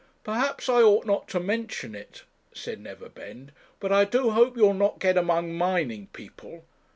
'Perhaps I ought not to mention it,' said Neverbend, 'but I do hope you'll not get among mining people.